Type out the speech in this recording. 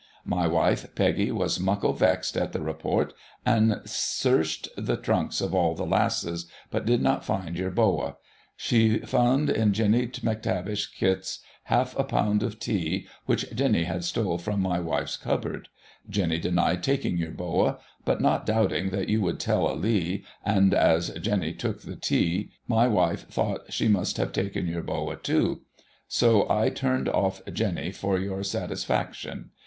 My wiffe, Peggy, was muckle vexed at the report, and sershed the trunks of all the lasses, but did not find your Bowa ; she fund in Jenny McTavish's kist half a pund of tea which Jenny had stole from my wiffes cupboard. Jenny denied taking your Bowa ; but not doubting that you would tell a lee, and as Jenny tuke the tea, my wife thocht she must have taken your Bowa too, so I turned off Jeny for your satisfaction.